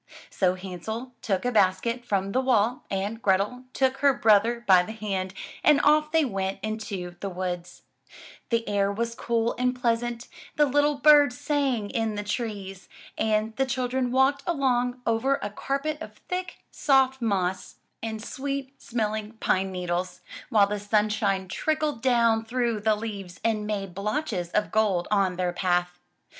So Hansel took a basket from the wall, and Grethel took her brother by the hand, and off they went into the woods. The air was cool and pleasant, the little birds sang in the trees, and the children walked along over a carpet of thick, soft moss and ♦Adapted from the opera. Hansel and Grethel, by Humperdinck. 45 MY BOOK HOUSE sweet smelling pine needles, while the sunshine trickled down through the leaves and made blotches of gold on their path.